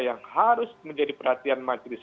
yang harus menjadi perhatian majelis